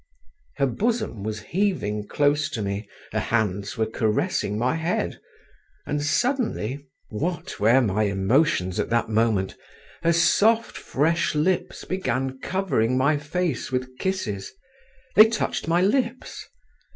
Her bosom was heaving close to me, her hands were caressing my head, and suddenly—what were my emotions at that moment—her soft, fresh lips began covering my face with kisses … they touched my lips….